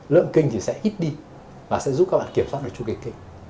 lợn kinh thì sẽ ít đi và sẽ giúp các bạn kiểm soát được trung kỳ kinh